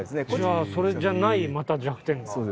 じゃあそれじゃないまた弱点が。